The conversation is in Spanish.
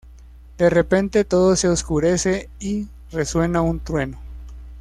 De repente todo se oscurece y resuena un trueno.